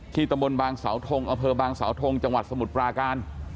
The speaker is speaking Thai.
ตำบลบางสาวทงอำเภอบางสาวทงจังหวัดสมุทรปราการ